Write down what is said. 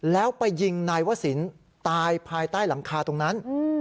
แล้วไปยิงนายวศิลป์ตายภายใต้หลังคาตรงนั้น